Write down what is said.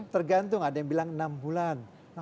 tergantung ada yang bilang enam bulan